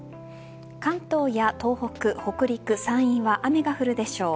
関東や東北、北陸、山陰は雨が降るでしょう。